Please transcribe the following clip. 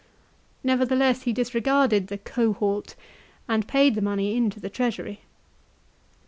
Nevertheless he disregarded the " cohort " and paid the money into the treasury.